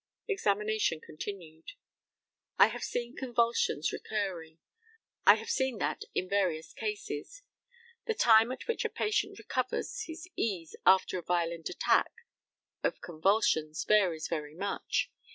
Examination continued: I have seen convulsions recurring. I have seen that in very various cases. The time at which a patient recovers his ease after a violent attack of convulsions varies very much.